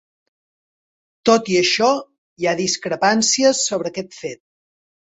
Tot i això, hi ha discrepàncies sobre aquest fet.